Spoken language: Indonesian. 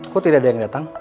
kok tidak ada yang datang